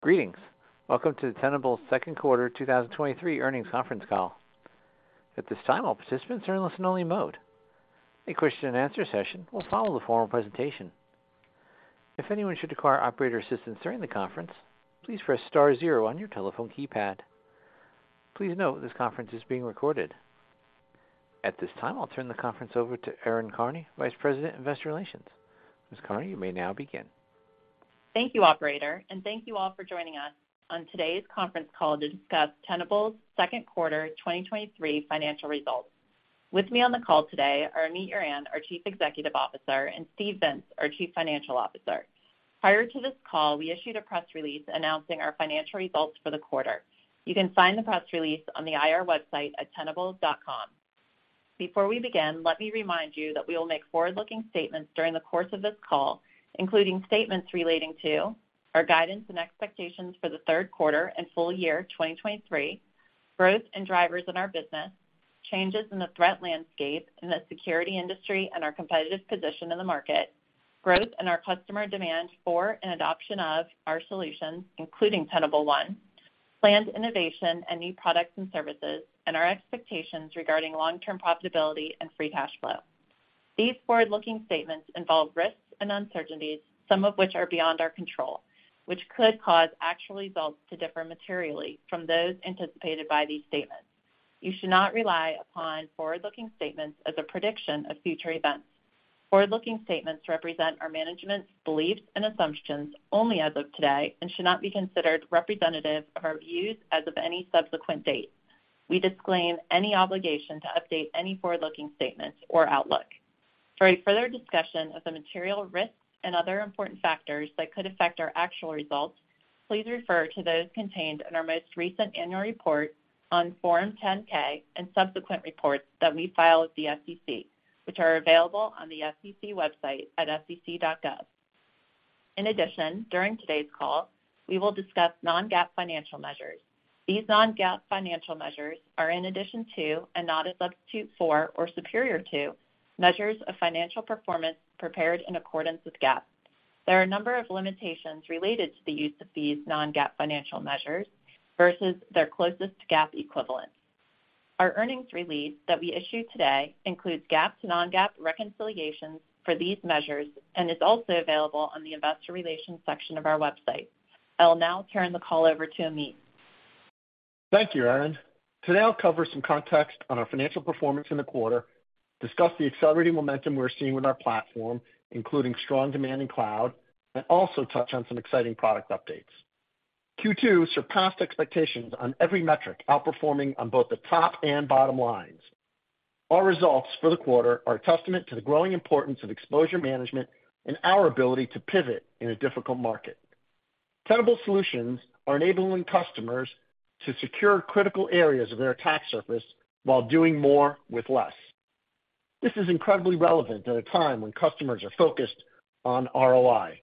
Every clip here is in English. Greetings. Welcome to Tenable's second quarter 2023 earnings conference call. At this time, all participants are in listen-only mode. A question-and-answer session will follow the formal presentation. If anyone should require operator assistance during the conference, please press star zero on your telephone keypad. Please note, this conference is being recorded. At this time, I'll turn the conference over to Erin Karney, Vice President, Investor Relations. Ms. Karney, you may now begin. Thank you, Operator, thank you all for joining us on today's conference call to discuss Tenable's second quarter 2023 financial results. With me on the call today are Amit Yoran, our Chief Executive Officer, and Steve Vintz, our Chief Financial Officer. Prior to this call, we issued a press release announcing our financial results for the quarter. You can find the press release on the IR website at tenable.com. Before we begin, let me remind you that we will make forward-looking statements during the course of this call, including statements relating to our guidance and expectations for the third quarter and full year 2023, growth and drivers in our business, changes in the threat landscape in the security industry and our competitive position in the market, growth in our customer demand for and adoption of our solutions, including Tenable One, planned innovation and new products and services, and our expectations regarding long-term profitability and free cash flow. These forward-looking statements involve risks and uncertainties, some of which are beyond our control, which could cause actual results to differ materially from those anticipated by these statements. You should not rely upon forward-looking statements as a prediction of future events. Forward-looking statements represent our management's beliefs and assumptions only as of today and should not be considered representative of our views as of any subsequent date. We disclaim any obligation to update any forward-looking statements or outlook. For a further discussion of the material risks and other important factors that could affect our actual results, please refer to those contained in our most recent annual report on Form 10-K and subsequent reports that we file with the SEC, which are available on the SEC website at sec.gov. In addition, during today's call, we will discuss non-GAAP financial measures. These non-GAAP financial measures are in addition to and not a substitute for or superior to measures of financial performance prepared in accordance with GAAP. There are a number of limitations related to the use of these non-GAAP financial measures versus their closest GAAP equivalent. Our earnings release that we issued today includes GAAP to non-GAAP reconciliations for these measures and is also available on the investor relations section of our website. I will now turn the call over to Amit. Thank you, Erin. Today, I'll cover some context on our financial performance in the quarter, discuss the accelerating momentum we're seeing with our platform, including strong demand in cloud, and also touch on some exciting product updates. Q2 surpassed expectations on every metric, outperforming on both the top and bottom lines. Our results for the quarter are a testament to the growing importance of exposure management and our ability to pivot in a difficult market. Tenable solutions are enabling customers to secure critical areas of their attack surface while doing more with less. This is incredibly relevant at a time when customers are focused on ROI.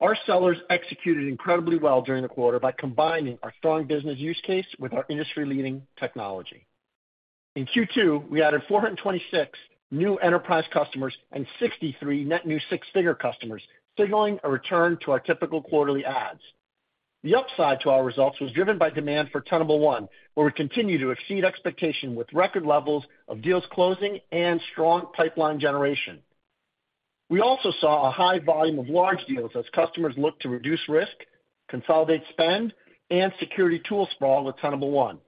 Our sellers executed incredibly well during the quarter by combining our strong business use case with our industry-leading technology. In Q2, we added 426 new enterprise customers and 63 net new six-figure customers, signaling a return to our typical quarterly adds. The upside to our results was driven by demand for Tenable One, where we continue to exceed expectation with record levels of deals closing and strong pipeline generation. We also saw a high volume of large deals as customers look to reduce risk, consolidate spend, and security tool sprawl with Tenable One.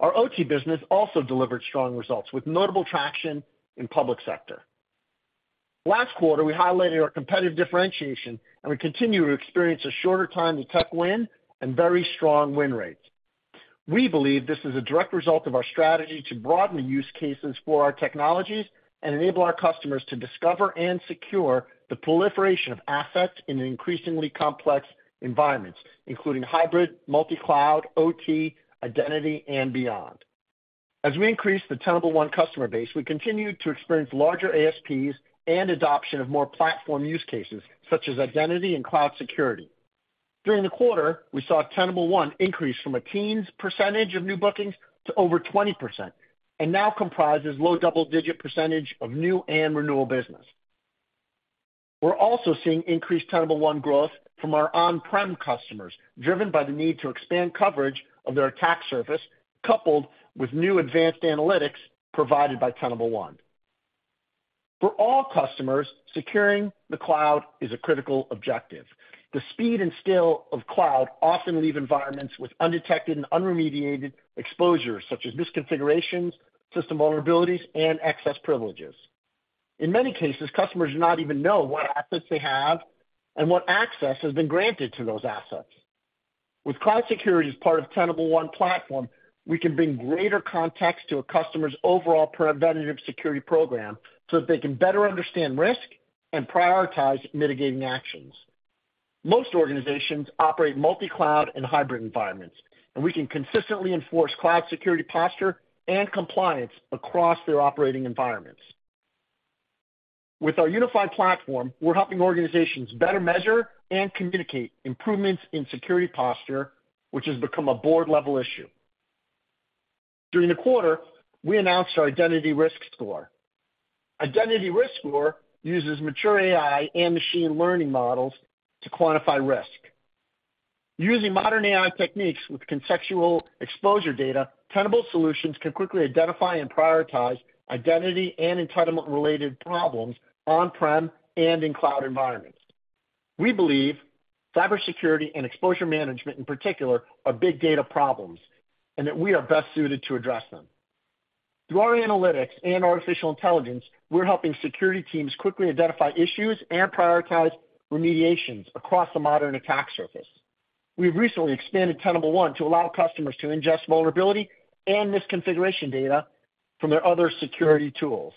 Our OT business also delivered strong results, with notable traction in public sector. Last quarter, we highlighted our competitive differentiation. We continue to experience a shorter time to tech win and very strong win rates. We believe this is a direct result of our strategy to broaden the use cases for our technologies and enable our customers to discover and secure the proliferation of assets in an increasingly complex environments, including hybrid, multi-cloud, OT, identity, and beyond. As we increase the Tenable One customer base, we continue to experience larger ASPs and adoption of more platform use cases such as identity and cloud security. During the quarter, we saw Tenable One increase from a teens% of new bookings to over 20% and now comprises low double-digit% of new and renewal business. We're also seeing increased Tenable One growth from our on-prem customers, driven by the need to expand coverage of their attack surface, coupled with new advanced analytics provided by Tenable One. For all customers, securing the cloud is a critical objective. The speed and scale of cloud often leave environments with undetected and unremediated exposures, such as misconfigurations, system vulnerabilities, and excess privileges. In many cases, customers do not even know what assets they have and what access has been granted to those assets. With cloud security as part of Tenable One platform, we can bring greater context to a customer's overall preventative security program so that they can better understand risk and prioritize mitigating actions. Most organizations operate multi-cloud and hybrid environments. We can consistently enforce cloud security posture and compliance across their operating environments. With our unified platform, we're helping organizations better measure and communicate improvements in security posture, which has become a board-level issue.... During the quarter, we announced our Identity Risk Score. Identity Risk Score uses mature AI and machine learning models to quantify risk. Using modern AI techniques with conceptual exposure data, Tenable solutions can quickly identify and prioritize identity and entitlement-related problems on-prem and in cloud environments. We believe cybersecurity and exposure management, in particular, are big data problems, and that we are best suited to address them. Through our analytics and artificial intelligence, we're helping security teams quickly identify issues and prioritize remediations across the modern attack surface. We've recently expanded Tenable One to allow customers to ingest vulnerability and misconfiguration data from their other security tools.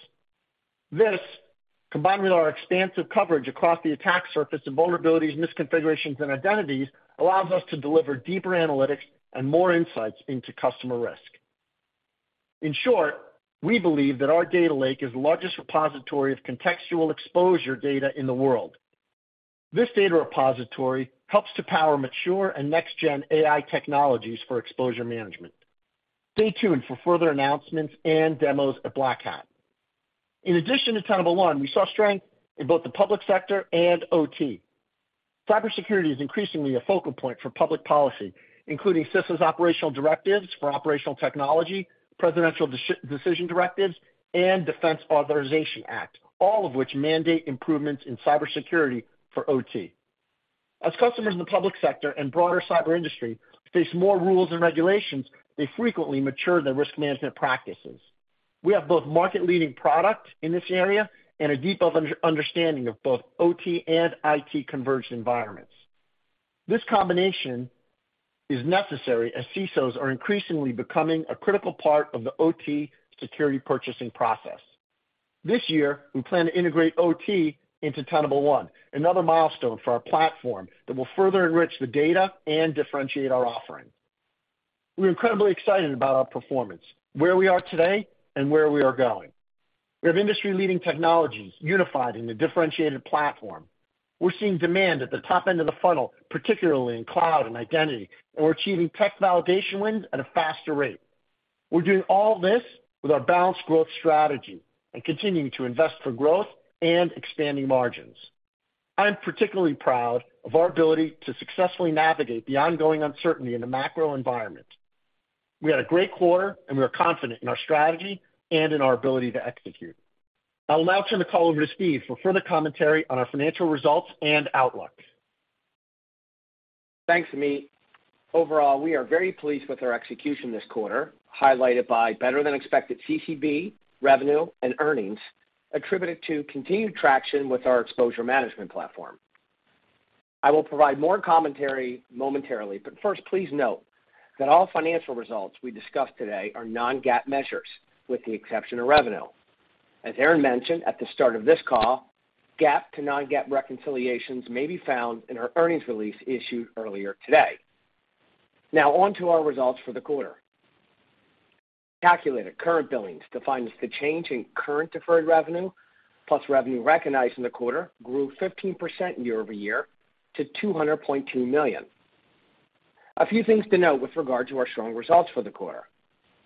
This, combined with our expansive coverage across the attack surface and vulnerabilities, misconfigurations, and identities, allows us to deliver deeper analytics and more insights into customer risk. In short, we believe that our data lake is the largest repository of contextual exposure data in the world. This data repository helps to power mature and next-gen AI technologies for exposure management. Stay tuned for further announcements and demos at Black Hat. In addition to Tenable One, we saw strength in both the public sector and OT. Cybersecurity is increasingly a focal point for public policy, including CISA's operational directives for operational technology, presidential decision directives, and Defense Authorization Act, all of which mandate improvements in cybersecurity for OT. As customers in the public sector and broader cyber industry face more rules and regulations, they frequently mature their risk management practices. We have both market-leading product in this area and a deep understanding of both OT and IT converged environments. This combination is necessary as CISOs are increasingly becoming a critical part of the OT security purchasing process. This year, we plan to integrate OT into Tenable One, another milestone for our platform that will further enrich the data and differentiate our offering. We're incredibly excited about our performance, where we are today, and where we are going. We have industry-leading technologies unified in a differentiated platform. We're seeing demand at the top end of the funnel, particularly in cloud and identity, and we're achieving tech validation wins at a faster rate. We're doing all this with our balanced growth strategy and continuing to invest for growth and expanding margins. I'm particularly proud of our ability to successfully navigate the ongoing uncertainty in the macro environment. We had a great quarter, and we are confident in our strategy and in our ability to execute. I'll now turn the call over to Steve for further commentary on our financial results and outlook. Thanks, Amit. Overall, we are very pleased with our execution this quarter, highlighted by better-than-expected CCB, revenue, and earnings, attributed to continued traction with our exposure management platform. I will provide more commentary momentarily, but first, please note that all financial results we discuss today are non-GAAP measures, with the exception of revenue. As Erin mentioned at the start of this call, GAAP to non-GAAP reconciliations may be found in our earnings release issued earlier today. Now, on to our results for the quarter. Calculated current billings, defined as the change in current deferred revenue plus revenue recognized in the quarter, grew 15% year-over-year to $200.2 million. A few things to note with regard to our strong results for the quarter.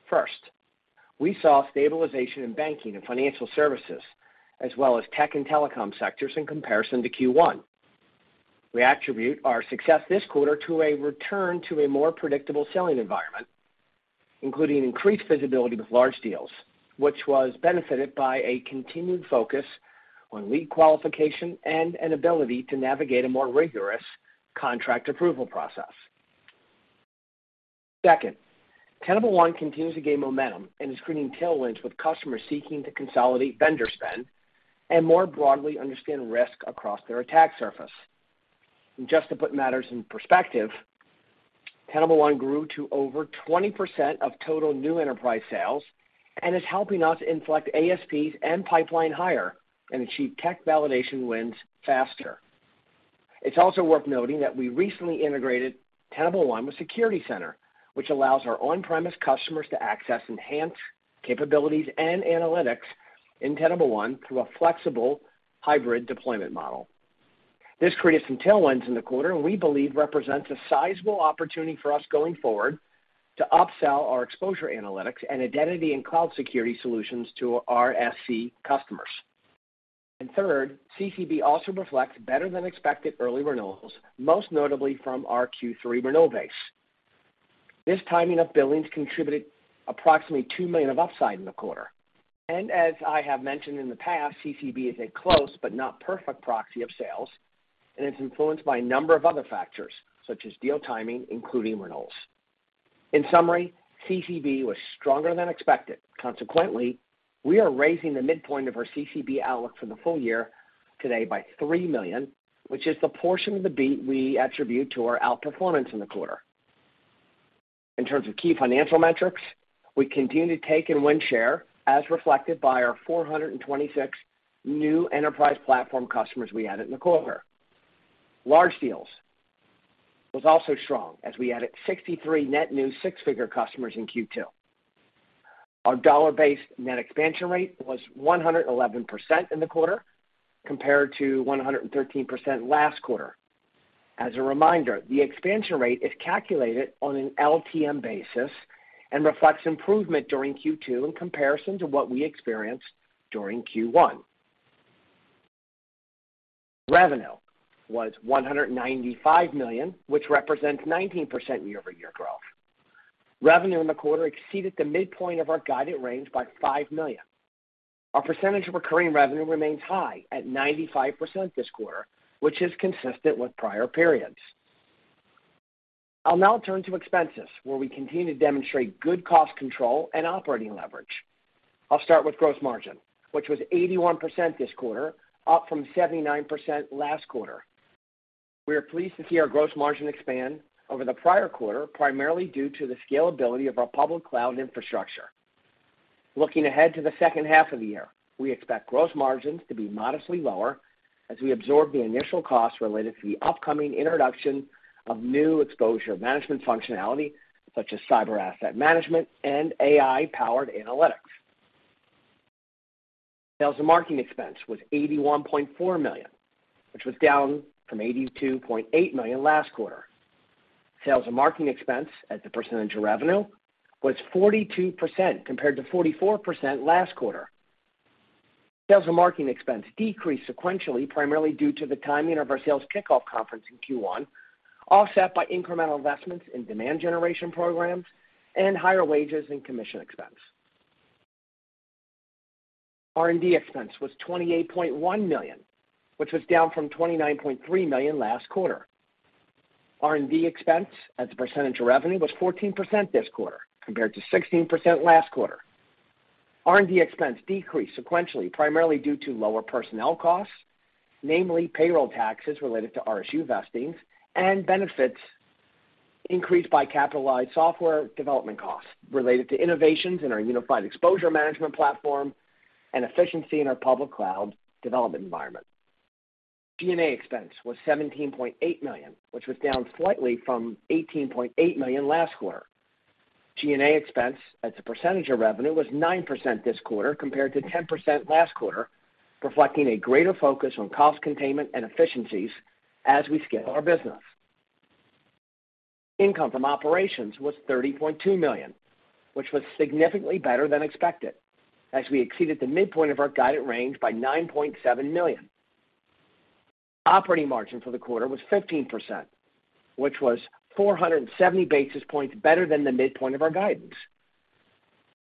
First, we saw stabilization in banking and financial services, as well as tech and telecom sectors in comparison to Q1. We attribute our success this quarter to a return to a more predictable selling environment, including increased visibility with large deals, which was benefited by a continued focus on lead qualification and an ability to navigate a more rigorous contract approval process. Second, Tenable One continues to gain momentum and is creating tailwinds with customers seeking to consolidate vendor spend and more broadly understand risk across their attack surface. Just to put matters in perspective, Tenable One grew to over 20% of total new enterprise sales and is helping us inflect ASPs and pipeline higher and achieve tech validation wins faster. It's also worth noting that we recently integrated Tenable One with Security Center, which allows our on-premise customers to access enhanced capabilities and analytics in Tenable One through a flexible hybrid deployment model. This created some tailwinds in the quarter and we believe represents a sizable opportunity for us going forward to upsell our exposure analytics and identity and cloud security solutions to our SC customers. Third, CCB also reflects better than expected early renewals, most notably from our Q3 renewal base. This timing of billings contributed approximately $2 million of upside in the quarter. As I have mentioned in the past, CCB is a close but not perfect proxy of sales, and it's influenced by a number of other factors, such as deal timing, including renewals. In summary, CCB was stronger than expected. Consequently, we are raising the midpoint of our CCB outlook for the full year today by $3 million, which is the portion of the beat we attribute to our outperformance in the quarter. In terms of key financial metrics, we continue to take and win share, as reflected by our 426 new enterprise platform customers we added in the quarter. Large deals was also strong, as we added 63 net new six-figure customers in Q2. Our dollar-based net expansion rate was 111% in the quarter, compared to 113% last quarter. As a reminder, the expansion rate is calculated on an LTM basis and reflects improvement during Q2 in comparison to what we experienced during Q1. Revenue was $195 million, which represents 19% year-over-year growth. Revenue in the quarter exceeded the midpoint of our guided range by $5 million. Our percentage of recurring revenue remains high at 95% this quarter, which is consistent with prior periods. I'll now turn to expenses, where we continue to demonstrate good cost control and operating leverage. I'll start with gross margin, which was 81% this quarter, up from 79% last quarter. We are pleased to see our gross margin expand over the prior quarter, primarily due to the scalability of our public cloud infrastructure. Looking ahead to the second half of the year, we expect gross margins to be modestly lower as we absorb the initial costs related to the upcoming introduction of new exposure management functionality, such as Cyber Asset Management and AI-powered analytics. Sales and marketing expense was $81.4 million, which was down from $82.8 million last quarter. Sales and marketing expense as a percentage of revenue was 42%, compared to 44% last quarter. Sales and marketing expense decreased sequentially, primarily due to the timing of our sales kickoff conference in Q1, offset by incremental investments in demand generation programs and higher wages and commission expense. R&D expense was $28.1 million, which was down from $29.3 million last quarter. R&D expense as a percentage of revenue was 14% this quarter, compared to 16% last quarter. R&D expense decreased sequentially, primarily due to lower personnel costs, namely payroll taxes related to RSU vestings and benefits increased by capitalized software development costs related to innovations in our unified exposure management platform and efficiency in our public cloud development environment. G&A expense was $17.8 million, which was down slightly from $18.8 million last quarter. G&A expense as a percentage of revenue was 9% this quarter, compared to 10% last quarter, reflecting a greater focus on cost containment and efficiencies as we scale our business. Income from operations was $30.2 million, which was significantly better than expected, as we exceeded the midpoint of our guided range by $9.7 million. Operating margin for the quarter was 15%, which was 470 basis points better than the midpoint of our guidance.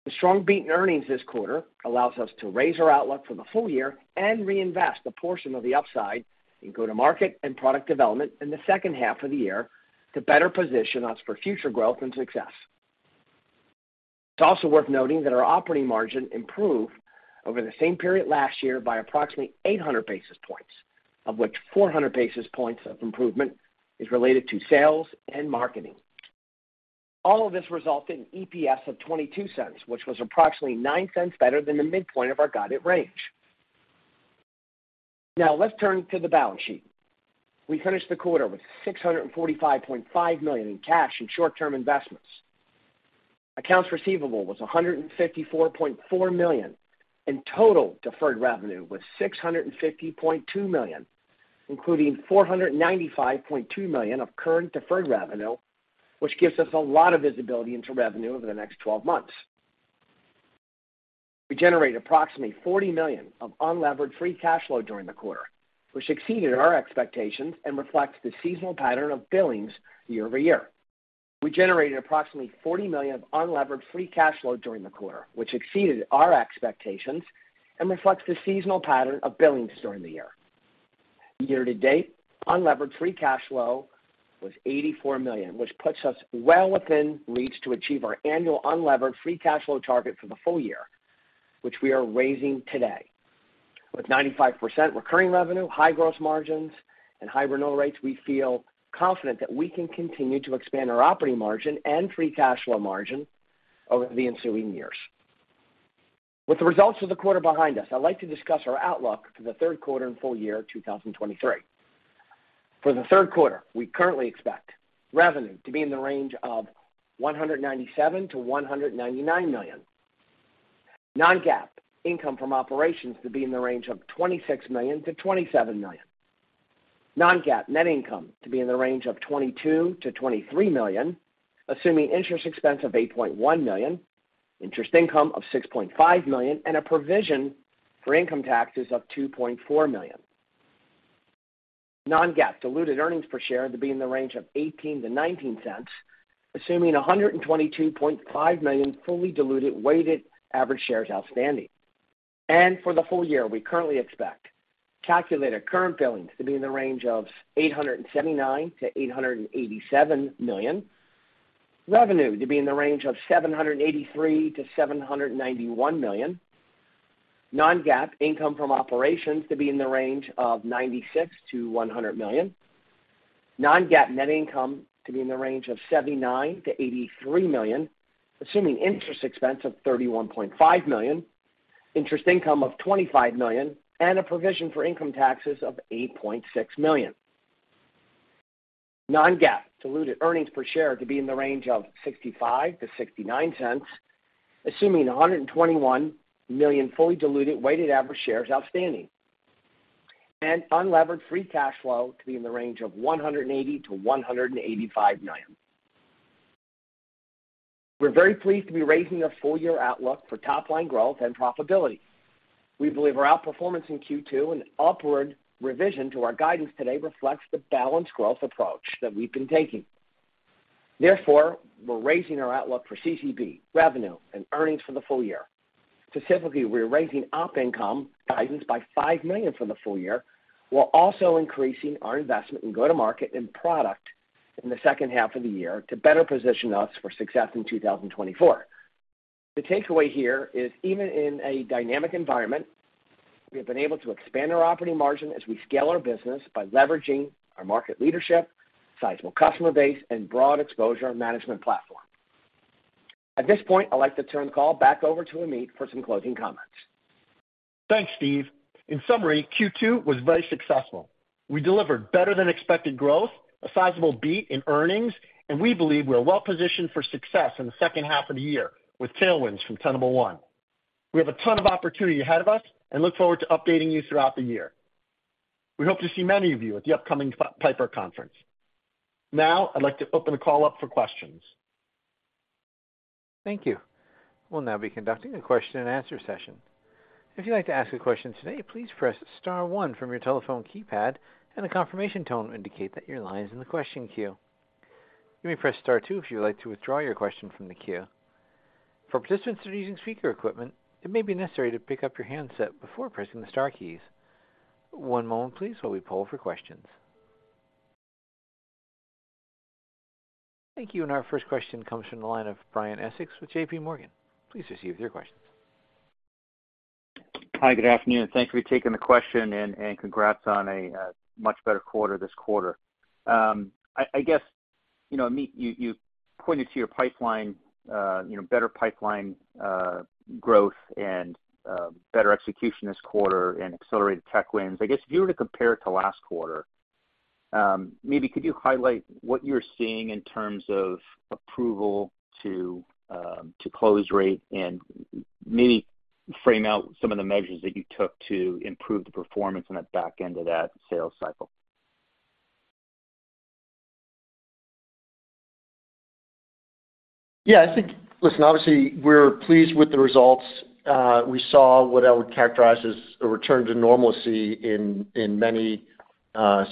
The strong beat in earnings this quarter allows us to raise our outlook for the full year and reinvest a portion of the upside in go-to-market and product development in the second half of the year to better position us for future growth and success. It's also worth noting that our operating margin improved over the same period last year by approximately 800 basis points, of which 400 basis points of improvement is related to sales and marketing. All of this resulted in EPS of $0.22, which was approximately $0.09 better than the midpoint of our guided range. Now, let's turn to the balance sheet. We finished the quarter with $645.5 million in cash and short-term investments. Accounts receivable was $154.4 million, and total deferred revenue was $650.2 million, including $495.2 million of current deferred revenue, which gives us a lot of visibility into revenue over the next 12 months. We generated approximately $40 million of unlevered free cash flow during the quarter, which exceeded our expectations and reflects the seasonal pattern of billings year-over-year. We generated approximately $40 million of unlevered free cash flow during the quarter, which exceeded our expectations and reflects the seasonal pattern of billings during the year. Year-to-date, unlevered free cash flow was $84 million, which puts us well within reach to achieve our annual unlevered free cash flow target for the full year, which we are raising today. With 95% recurring revenue, high gross margins, and high renewal rates, we feel confident that we can continue to expand our operating margin and free cash flow margin over the ensuing years. With the results of the quarter behind us, I'd like to discuss our outlook for the third quarter and full year 2023. For the third quarter, we currently expect revenue to be in the range of $197 million-$199 million. Non-GAAP income from operations to be in the range of $26 million-$27 million. Non-GAAP net income to be in the range of $22 million-$23 million, assuming interest expense of $8.1 million, interest income of $6.5 million, and a provision for income taxes of $2.4 million. Non-GAAP diluted earnings per share to be in the range of $0.18-$0.19, assuming 122.5 million fully diluted weighted average shares outstanding. For the full year, we currently expect calculated current billings to be in the range of $879 million-$887 million. Revenue to be in the range of $783 million-$791 million. Non-GAAP income from operations to be in the range of $96 million-$100 million. Non-GAAP net income to be in the range of $79 million-$83 million, assuming interest expense of $31.5 million, interest income of $25 million, and a provision for income taxes of $8.6 million. Non-GAAP diluted earnings per share to be in the range of $0.65-$0.69. assuming 121 million fully diluted weighted average shares outstanding, and unlevered free cash flow to be in the range of $180 million-$185 million. We're very pleased to be raising our full year outlook for top line growth and profitability. We believe our outperformance in Q2 and upward revision to our guidance today reflects the balanced growth approach that we've been taking. We're raising our outlook for CCB, revenue, and earnings for the full year. Specifically, we're raising op income guidance by $5 million for the full year, while also increasing our investment in go-to-market and product in the second half of the year to better position us for success in 2024. The takeaway here is, even in a dynamic environment, we have been able to expand our operating margin as we scale our business by leveraging our market leadership, sizable customer base, and broad exposure and management platform. At this point, I'd like to turn the call back over to Amit for some closing comments. Thanks, Steve. In summary, Q2 was very successful. We delivered better than expected growth, a sizable beat in earnings, and we believe we are well positioned for success in the second half of the year with tailwinds from Tenable One. We have a ton of opportunity ahead of us, and look forward to updating you throughout the year. We hope to see many of you at the upcoming Piper conference. I'd like to open the call up for questions. Thank you. We'll now be conducting a question-and-answer session. If you'd like to ask a question today, please press star one from your telephone keypad. A confirmation tone will indicate that your line is in the question queue. You may press star two if you'd like to withdraw your question from the queue. For participants that are using speaker equipment, it may be necessary to pick up your handset before pressing the star keys. One moment please, while we poll for questions. Thank you. Our first question comes from the line of Brian Essex with JPMorgan. Please proceed with your questions. Hi, good afternoon, and thank you for taking the question, and congrats on a much better quarter this quarter. I guess, you know, Amit, you pointed to your pipeline, you know, better pipeline growth and better execution this quarter and accelerated tech wins. I guess, if you were to compare it to last quarter, maybe could you highlight what you're seeing in terms of approval to close rate, and maybe frame out some of the measures that you took to improve the performance on the back end of that sales cycle? Listen, obviously, we're pleased with the results. We saw what I would characterize as a return to normalcy in many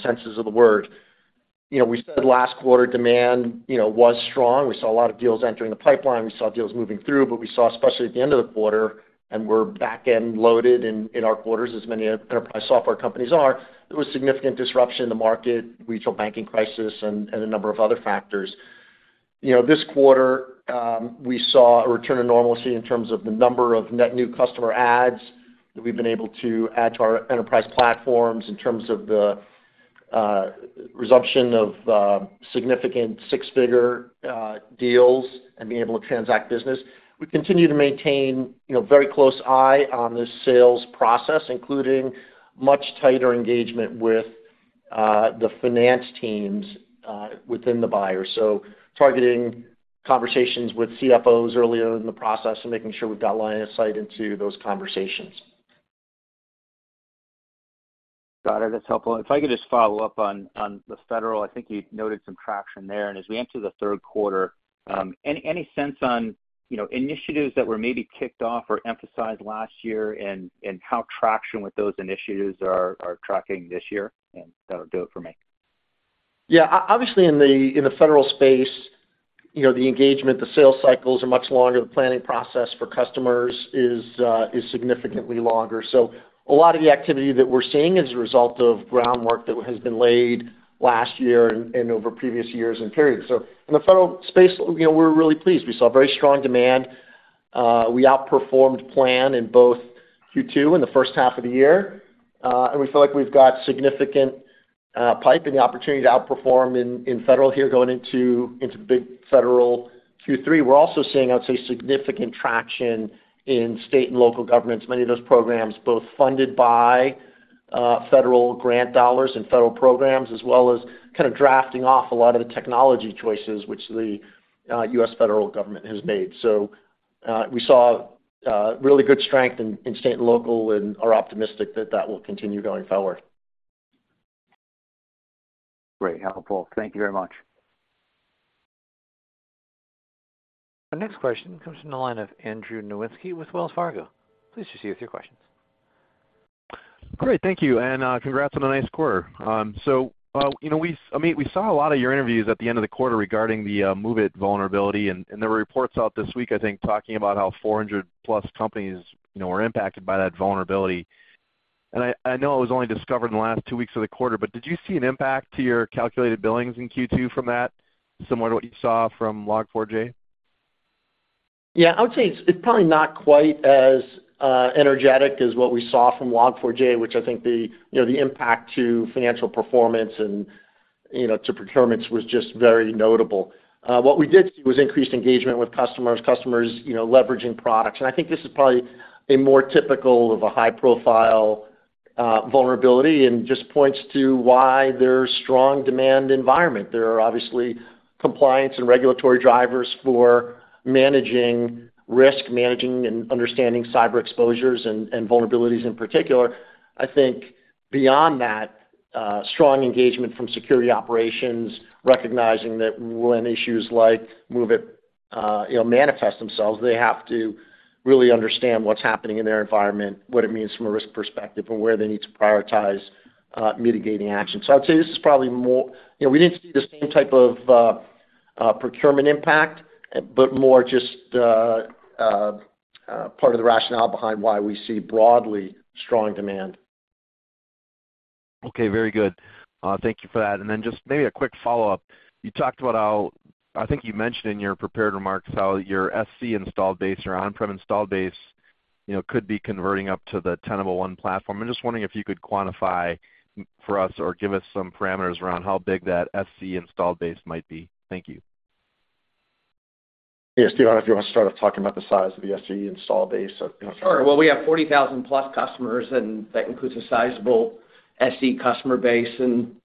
senses of the word. You know, we said last quarter, demand, you know, was strong. We saw a lot of deals entering the pipeline. We saw deals moving through, but we saw, especially at the end of the quarter, and we're back end loaded in our quarters, as many enterprise software companies are, there was significant disruption in the market, regional banking crisis and a number of other factors. You know, this quarter, we saw a return to normalcy in terms of the number of net new customer adds, that we've been able to add to our enterprise platforms in terms of the resumption of significant 6-figure deals and being able to transact business. We continue to maintain, you know, very close eye on the sales process, including much tighter engagement with the finance teams within the buyer. Targeting conversations with CFOs earlier in the process and making sure we've got line of sight into those conversations. Got it. That's helpful. If I could just follow up on the Federal, I think you noted some traction there, as we enter the third quarter, any sense on, you know, initiatives that were maybe kicked off or emphasized last year and how traction with those initiatives are tracking this year? That'll do it for me. Obviously, in the federal space, you know, the engagement, the sales cycles are much longer. The planning process for customers is significantly longer. A lot of the activity that we're seeing is a result of groundwork that has been laid last year and over previous years and periods. In the federal space, you know, we're really pleased. We saw very strong demand. We outperformed plan in both Q2 and the first half of the year, and we feel like we've got significant pipe and the opportunity to outperform in federal here, going into big federal Q3. We're also seeing, I'd say, significant traction in state and local governments. Many of those programs, both funded by federal grant dollars and federal programs, as well as kind of drafting off a lot of the technology choices which the U.S. federal government has made. We saw really good strength in state and local and are optimistic that that will continue going forward. Great, helpful. Thank you very much. Our next question comes from the line of Andrew Nowinski with Wells Fargo. Please proceed with your questions. Great, thank you, and congrats on a nice quarter. you know, Amit, we saw a lot of your interviews at the end of the quarter regarding the MOVEit vulnerability, and there were reports out this week, I think, talking about how 400 plus companies, you know, were impacted by that vulnerability. I know it was only discovered in the last two weeks of the quarter, but did you see an impact to your calculated billings in Q2 from that, similar to what you saw from Log4j? Yeah, I would say it's probably not quite as energetic as what we saw from Log4j, which I think the, you know, the impact to financial performance and, you know, to procurements was just very notable. What we did see was increased engagement with customers. Customers, you know, leveraging products, and I think this is probably a more typical of a high-profile.... vulnerability and just points to why there's strong demand environment. There are obviously compliance and regulatory drivers for managing risk, managing and understanding cyber exposures and vulnerabilities in particular. I think beyond that, strong engagement from security operations, recognizing that when issues like MOVEit, you know, manifest themselves, they have to really understand what's happening in their environment, what it means from a risk perspective, and where they need to prioritize, mitigating actions. I'd say this is probably, you know, we didn't see the same type of procurement impact, but more just part of the rationale behind why we see broadly strong demand. Okay, very good. Thank you for that. Just maybe a quick follow-up. You talked about I think you mentioned in your prepared remarks, how your SC installed base or on-prem installed base, you know, could be converting up to the Tenable One platform. I'm just wondering if you could quantify for us or give us some parameters around how big that SC installed base might be. Thank you. Yeah, Steve, I don't know if you want to start off talking about the size of the SC install base? We have 40,000+ customers, and that includes a sizable SC customer base, and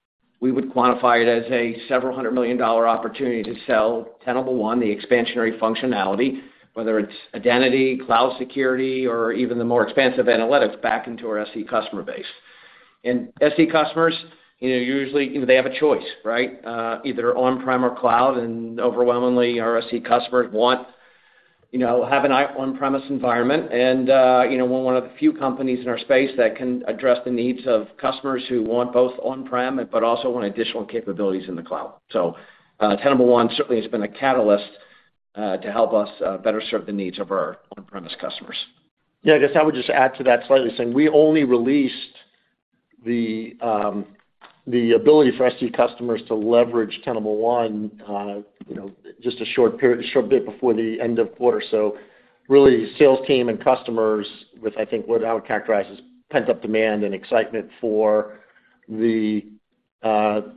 we would quantify it as a several hundred million dollar opportunity to sell Tenable One, the expansionary functionality, whether it's identity, cloud security, or even the more expansive analytics back into our SC customer base. SC customers, you know, usually, you know, they have a choice, right? Either on-prem or cloud, and overwhelmingly, our SC customers want, you know, have an on-premise environment. You know, we're one of the few companies in our space that can address the needs of customers who want both on-prem, but also want additional capabilities in the cloud. Tenable One certainly has been a catalyst to help us better serve the needs of our on-premise customers. I guess I would just add to that slightly saying we only released the ability for SC customers to leverage Tenable One, you know, just a short period, a short bit before the end of quarter. Really, sales team and customers, with, I think, what I would characterize as pent-up demand and excitement for the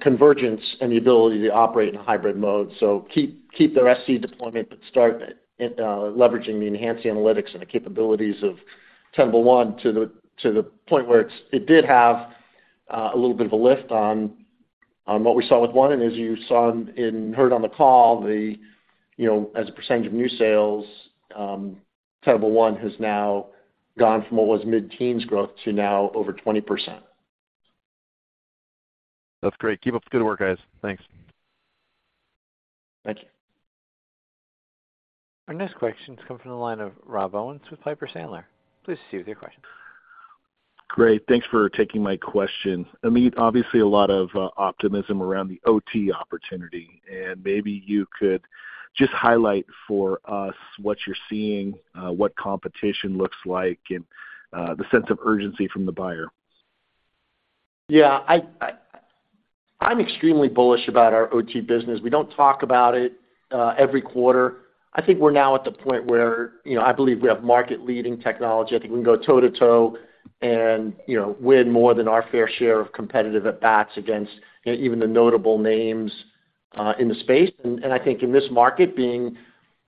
convergence and the ability to operate in hybrid mode. Keep their SC deployment, but start leveraging the enhanced analytics and the capabilities of Tenable One to the point where it did have a little bit of a lift on what we saw with One. As you saw in heard on the call, the, you know, as a percentage of new sales, Tenable One has now gone from what was mid-teens growth to now over 20%. That's great. Keep up the good work, guys. Thanks. Thank you. Our next question comes from the line of Rob Owens with Piper Sandler. Please proceed with your question. Great. Thanks for taking my question. Amit, obviously, a lot of optimism around the OT opportunity. Maybe you could just highlight for us what you're seeing, what competition looks like, and the sense of urgency from the buyer. Yeah, I'm extremely bullish about our OT business. We don't talk about it every quarter. I think we're now at the point where, you know, I believe we have market-leading technology. I think we can go toe-to-toe and, you know, win more than our fair share of competitive at-bats against, you know, even the notable names in the space. I think in this market, being,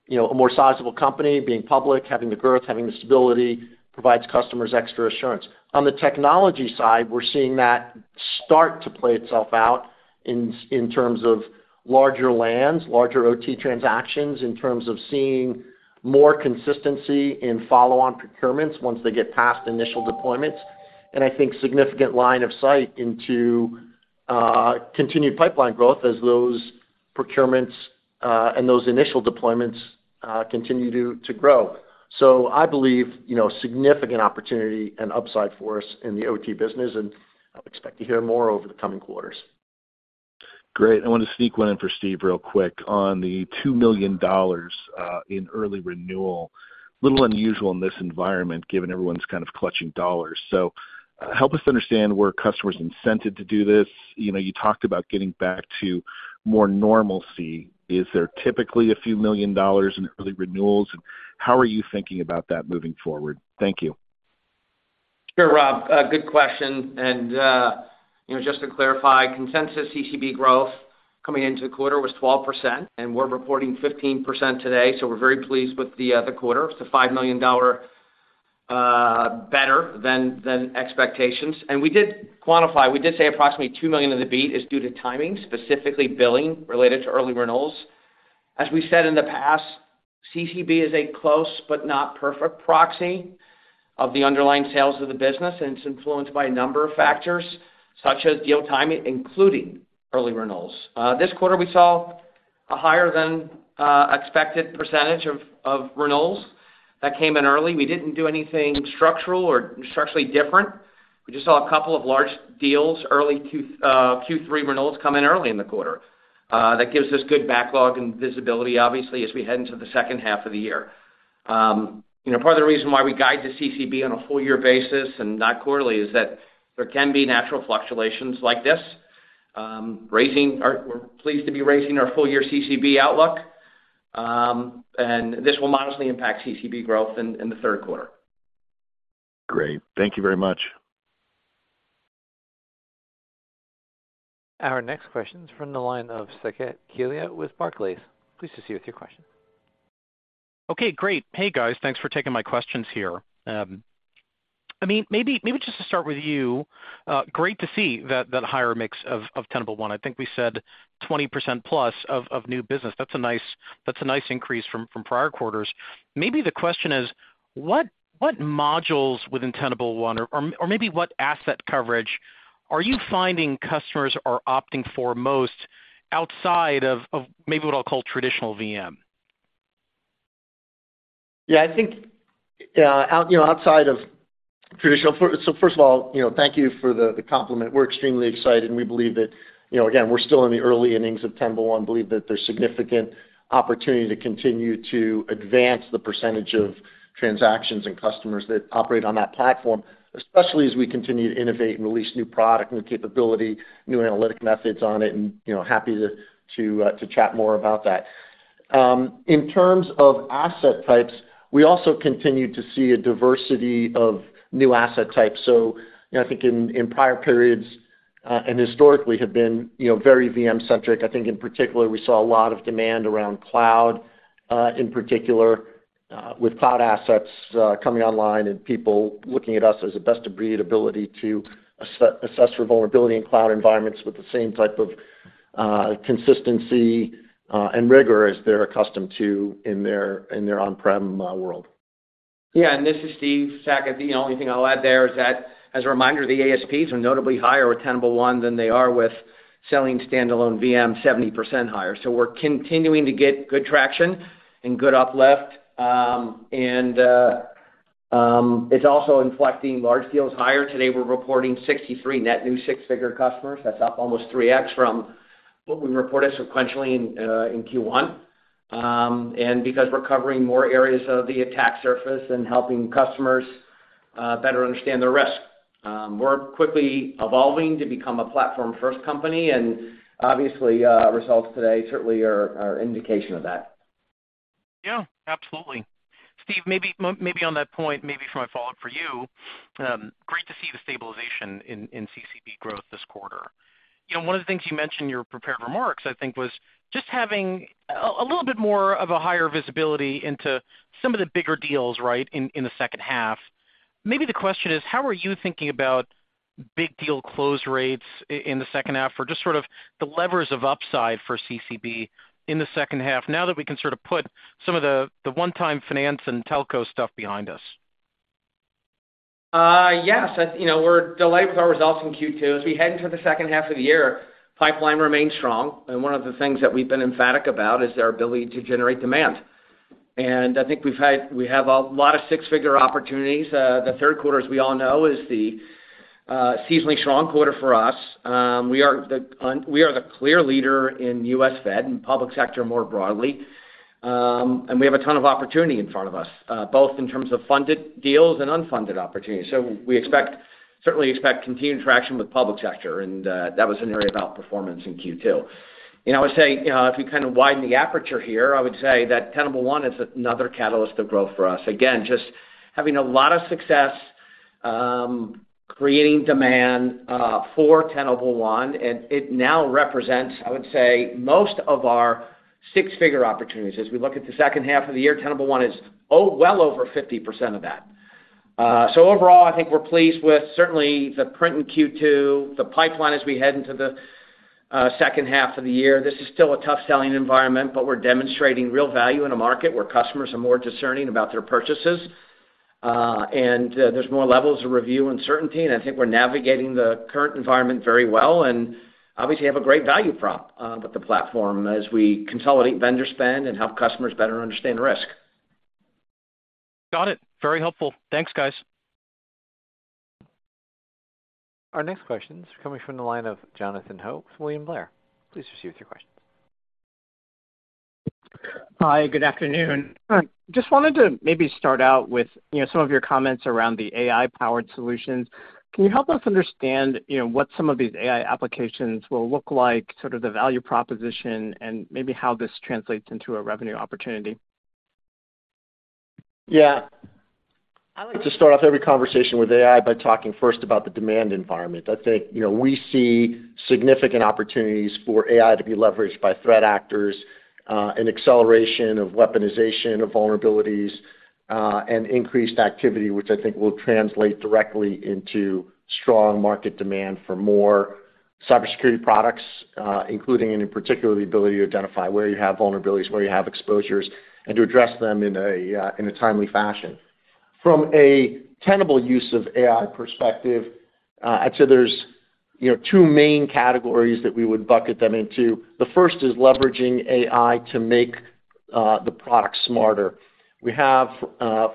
you know, a more sizable company, being public, having the growth, having the stability, provides customers extra assurance. On the technology side, we're seeing that start to play itself out in terms of larger lands, larger OT transactions, in terms of seeing more consistency in follow-on procurements once they get past initial deployments. I think significant line of sight into continued pipeline growth as those procurements and those initial deployments continue to grow. I believe, you know, significant opportunity and upside for us in the OT business, and I expect to hear more over the coming quarters. Great. I want to sneak one in for Steve real quick on the $2 million in early renewal. Little unusual in this environment, given everyone's kind of clutching dollars. Help us understand where customers incented to do this. You know, you talked about getting back to more normalcy. Is there typically a few million dollars in early renewals, and how are you thinking about that moving forward? Thank you. Sure, Rob, good question, and, you know, just to clarify, consensus CCB growth coming into the quarter was 12%, and we're reporting 15% today, so we're very pleased with the quarter. It's a $5 million better than expectations. We did say approximately $2 million of the beat is due to timing, specifically billing related to early renewals. As we said in the past, CCB is a close but not perfect proxy of the underlying sales of the business, and it's influenced by a number of factors, such as deal timing, including early renewals. This quarter, we saw a higher than expected percentage of renewals that came in early. We didn't do anything structural or structurally different. We just saw a couple of large deals, early Q3 renewals come in early in the quarter. That gives us good backlog and visibility, obviously, as we head into the second half of the year. You know, part of the reason why we guide the CCB on a full year basis and not quarterly, is that there can be natural fluctuations like this. We're pleased to be raising our full year CCB outlook, and this will modestly impact CCB growth in the third quarter. Great. Thank you very much. Our next question is from the line of Saket Kalia with Barclays. Please proceed with your question. Okay, great. Hey, guys. Thanks for taking my questions here. I mean, maybe just to start with you, great to see that higher mix of Tenable One. I think we said 20% plus of new business. That's a nice increase from prior quarters. Maybe the question is: what modules within Tenable One or maybe what asset coverage are you finding customers are opting for most outside of maybe what I'll call traditional VM? Yeah, I think, you know, outside of traditional-- First of all, you know, thank you for the compliment. We're extremely excited, and we believe that, you know, again, we're still in the early innings of Tenable One. Believe that there's significant opportunity to continue to advance the percentage of transactions and customers that operate on that platform, especially as we continue to innovate and release new product, new capability, new analytic methods on it, and, you know, happy to chat more about that. In terms of asset types, we also continue to see a diversity of new asset types. I think in prior periods, and historically have been, you know, very VM-centric. I think in particular, we saw a lot of demand around cloud, in particular, with cloud assets coming online and people looking at us as a best-of-breed ability to assess for vulnerability in cloud environments with the same type of consistency and rigor as they're accustomed to in their, in their on-prem world. This is Steve Vintz. The only thing I'll add there is that, as a reminder, the ASPs are notably higher with Tenable One than they are with selling standalone VM, 70% higher. We're continuing to get good traction and good uplift. It's also inflecting large deals higher. Today, we're reporting 63 net new six-figure customers. That's up almost 3x from what we reported sequentially in Q1. Because we're covering more areas of the attack surface and helping customers better understand their risk, we're quickly evolving to become a platform-first company, and obviously, results today certainly are indication of that. Yeah, absolutely. Steve, maybe maybe on that point, maybe for my follow-up for you. Great to see the stabilization in CCB growth this quarter. You know, one of the things you mentioned in your prepared remarks, I think, was just having a little bit more of a higher visibility into some of the bigger deals, right, in the second half. Maybe the question is: how are you thinking about big deal close rates in the second half, or just sort of the levers of upside for CCB in the second half, now that we can sort of put some of the one-time finance and telco stuff behind us? Yes, as you know, we're delighted with our results in Q2. As we head into the second half of the year, pipeline remains strong, and one of the things that we've been emphatic about is our ability to generate demand. I think we have a lot of 6-figure opportunities. The third quarter, as we all know, is the seasonally strong quarter for us. We are the clear leader in US fed and public sector more broadly, and we have a ton of opportunity in front of us, both in terms of funded deals and unfunded opportunities. We certainly expect continued traction with public sector, and that was an area of outperformance in Q2. You know, I would say, you know, if you kind of widen the aperture here, I would say that Tenable One is another catalyst of growth for us. Again, just having a lot of success, creating demand, for Tenable One, and it now represents, I would say, most of our six-figure opportunities. As we look at the second half of the year, Tenable One is well over 50% of that. Overall, I think we're pleased with certainly the print in Q2, the pipeline as we head into the second half of the year. This is still a tough selling environment, but we're demonstrating real value in a market where customers are more discerning about their purchases, and there's more levels of review and certainty. I think we're navigating the current environment very well and obviously have a great value prop, with the platform as we consolidate vendor spend and help customers better understand risk. Got it. Very helpful. Thanks, you guys. Our next question is coming from the line of Jonathan Ho with William Blair. Please proceed with your questions. Hi, good afternoon. Just wanted to maybe start out with, you know, some of your comments around the AI-powered solutions. Can you help us understand, you know, what some of these AI applications will look like, sort of the value proposition, and maybe how this translates into a revenue opportunity? Yeah. I like to start off every conversation with AI by talking first about the demand environment. I think, you know, we see significant opportunities for AI to be leveraged by threat actors, an acceleration of weaponization of vulnerabilities, and increased activity, which I think will translate directly into strong market demand for more cybersecurity products, including, and in particular, the ability to identify where you have vulnerabilities, where you have exposures, and to address them in a timely fashion. From a Tenable use of AI perspective, I'd say there's, you know, 2 main categories that we would bucket them into. The first is leveraging AI to make the product smarter. We have,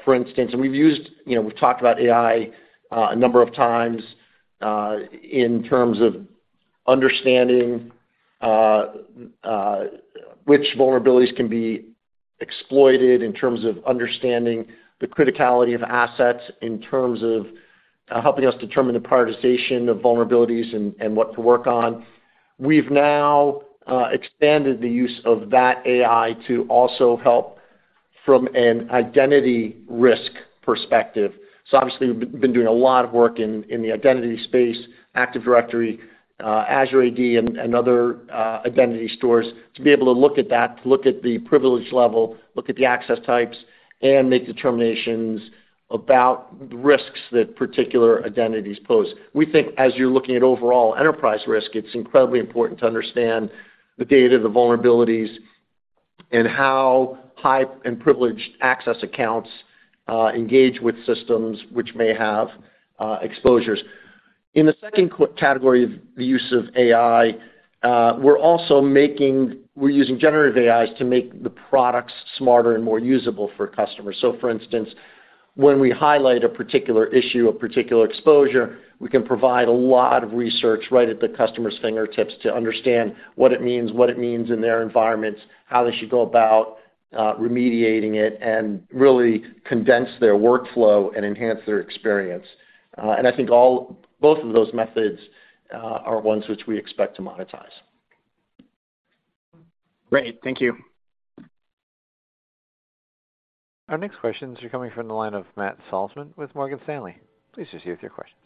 for instance, you know, we've talked about AI, a number of times, in terms of understanding, which vulnerabilities can be exploited, in terms of understanding the criticality of assets, in terms of, helping us determine the prioritization of vulnerabilities and what to work on. We've now, expanded the use of that AI to also from an identity risk perspective. Obviously, we've been doing a lot of work in the identity space, Active Directory, Azure AD, and other identity stores, to be able to look at that, to look at the privilege level, look at the access types, and make determinations about the risks that particular identities pose. We think as you're looking at overall enterprise risk, it's incredibly important to understand the data, the vulnerabilities, and how high and privileged access accounts engage with systems which may have exposures. In the second category of the use of AI, we're also using generative AIs to make the products smarter and more usable for customers. For instance, when we highlight a particular issue, a particular exposure, we can provide a lot of research right at the customer's fingertips to understand what it means, what it means in their environments, how they should go about remediating it, and really condense their workflow and enhance their experience. I think both of those methods are ones which we expect to monetize. Great. Thank you. Our next questions are coming from the line of Matt Salzman with Morgan Stanley. Please proceed with your questions.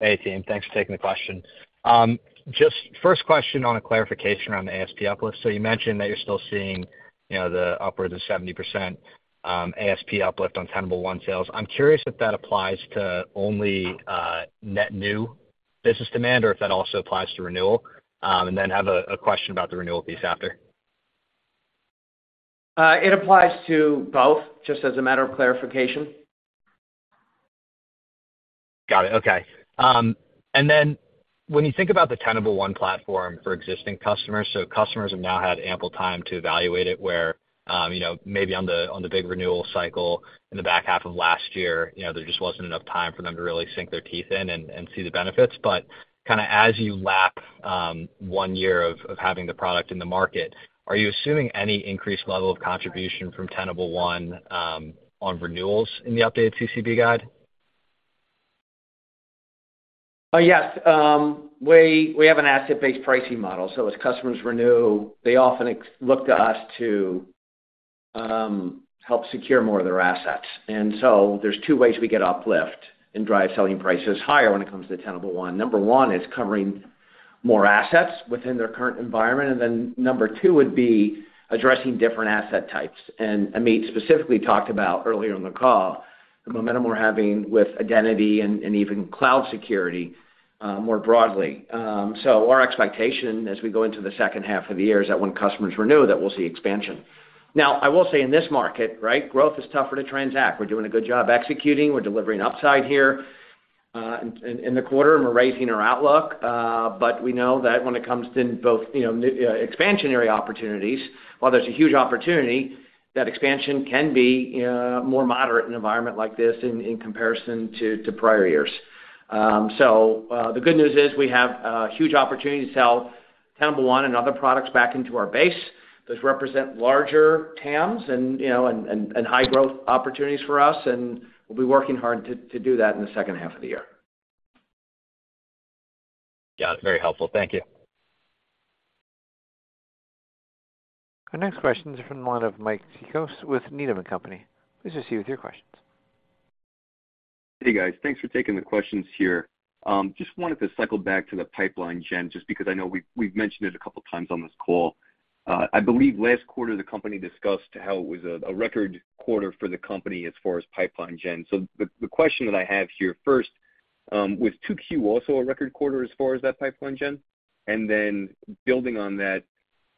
Hey, team, thanks for taking the question. Just first question on a clarification around the ASP uplift. You mentioned that you're still seeing, you know, the upwards of 70% ASP uplift on Tenable One sales. I'm curious if that applies to only net new business demand, or if that also applies to renewal. Have a question about the renewal piece after. It applies to both, just as a matter of clarification. Got it. Okay. When you think about the Tenable One platform for existing customers, so customers have now had ample time to evaluate it, where, you know, maybe on the, on the big renewal cycle in the back half of last year, you know, there just wasn't enough time for them to really sink their teeth in and see the benefits. Kinda as you lap, one year of having the product in the market, are you assuming any increased level of contribution from Tenable One on renewals in the updated CCB guide? Yes. We have an asset-based pricing model, so as customers renew, they often look to us to help secure more of their assets. There's 2 ways we get uplift and drive selling prices higher when it comes to Tenable One. Number 1 is covering more assets within their current environment, and then number 2 would be addressing different asset types. Amit specifically talked about earlier in the call, the momentum we're having with identity and even cloud security, more broadly. Our expectation as we go into the 2nd half of the year is that when customers renew, that we'll see expansion. I will say in this market, right, growth is tougher to transact. We're doing a good job executing. We're delivering upside here in the quarter, and we're raising our outlook. We know that when it comes to both, you know, expansionary opportunities, while there's a huge opportunity, that expansion can be more moderate in an environment like this in comparison to prior years. The good news is, we have a huge opportunity to sell Tenable One and other products back into our base. Those represent larger TAMs and, you know, and high growth opportunities for us, and we'll be working hard to do that in the second half of the year. Got it. Very helpful. Thank you. Our next question is from the line of Mike Cikos with Needham & Company. Please proceed with your questions. Hey, guys. Thanks for taking the questions here. Just wanted to cycle back to the pipeline gen, just because I know we've mentioned it a couple of times on this call. I believe last quarter, the company discussed how it was a record quarter for the company as far as pipeline gen. The question that I have here first, was 2Q also a record quarter as far as that pipeline gen? Building on that,